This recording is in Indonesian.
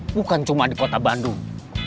bukan cuma di kota bandung